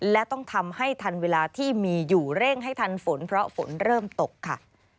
และต้องทำให้ทันเวลาที่มีอยู่เร่งให้ทันฝนเพราะฝนเริ่มตกค่ะ